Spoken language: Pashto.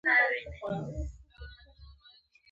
تاریخ د افغانستان د اقتصادي منابعو ارزښت زیاتوي.